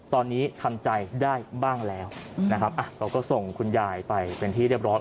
ตอนนี้ทำใจได้บ้างแล้วนะครับเราก็ส่งคุณยายไปเป็นที่เรียบร้อย